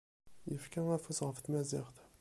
Yefka afus ɣef tmaziɣt.